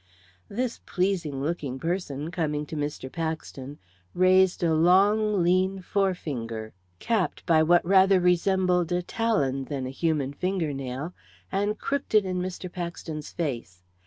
This pleasing looking person, coming to Mr. Paxton, raised a long, lean forefinger, capped by what rather resembled a talon than a human fingernail, and crooked it in Mr. Paxton's face.